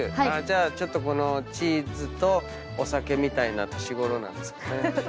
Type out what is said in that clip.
じゃあちょっとこのチーズとお酒みたいな年ごろなんですかね。